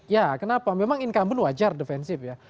ya kenapa memang incumbent wajar defensif ya